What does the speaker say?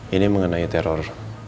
ini mengenai teror